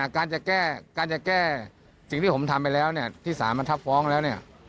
การจะแก้สิ่งที่ผมทำไปแล้วที่ศาลมันทับฟ้องแล้ว